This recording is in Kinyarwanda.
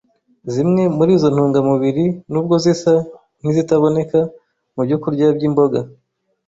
Zimwe muri izo ntungamubiri, nubwo zisa nk’izitaboneka mu byokurya by’imboga,